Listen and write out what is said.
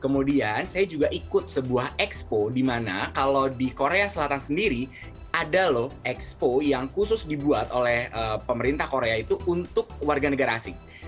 kemudian saya juga ikut sebuah expo di mana kalau di korea selatan sendiri ada loh expo yang khusus dibuat oleh pemerintah korea itu untuk warga negara asing